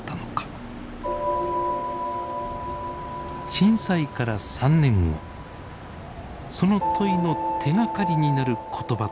震災から３年後その問いの手がかりになる言葉と出会います。